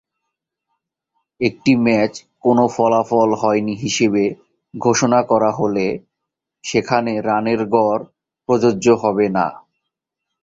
একটি ম্যাচ কোন ফলাফল হয়নি হিসেবে ঘোষণা করা হলে, সেখানে রানের গড় প্রযোজ্য হবে না।